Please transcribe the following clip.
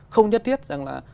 không nhất thiết rằng là